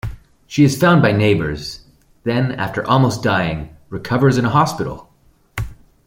She is found by neighbors, then after almost dying, recovers in an hospital.